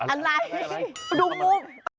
อะไรดูมุม